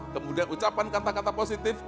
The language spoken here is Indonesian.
kemudian ucapan kata kata positif